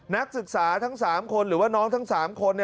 นักศึกษาทั้ง๓คนหรือว่าน้องทั้ง๓คน